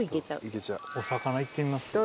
お魚いってみます？